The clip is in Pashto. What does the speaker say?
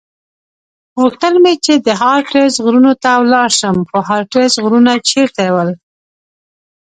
غوښتل مې چې د هارتز غرونو ته ولاړ شم، خو هارتز غرونه چېرته ول؟